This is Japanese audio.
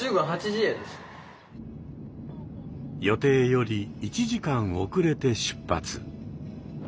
予定より１時間遅れて出発。